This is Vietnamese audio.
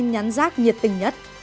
tin nhắn rác nhiệt tình nhất